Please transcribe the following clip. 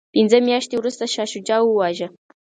پنځه میاشتې وروسته شاه شجاع وواژه.